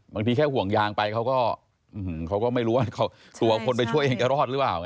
บางทีแค่ห่วงยางไปเขาก็ไม่รู้ว่าตัวคนไปช่วยเองจะรอดหรือเปล่า